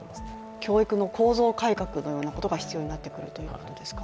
教育の構造改革のようなことが必要になってくるということでしょうか。